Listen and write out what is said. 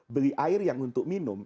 beli air yang untuk minum